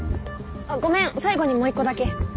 ごめん最後にもう一個だけ。